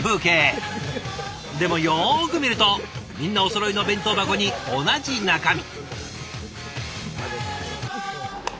でもよく見るとみんなおそろいの弁当箱に同じ中身。